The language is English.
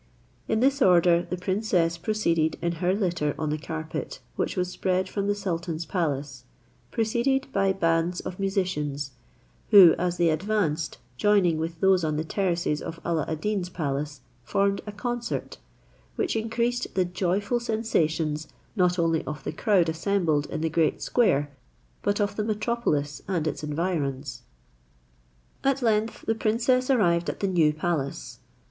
In this order the princess proceeded in her litter on the carpet, which was spread from the sultan's palace, preceded by bands of musicians, who, as they advanced, joining with those on the terraces of Alla ad Deen's palace, formed a concert, which increased the joyful sensations not only of the crowd assembled in the great square, but of the metropolis and its environs. At length the princess arrived at the new palace.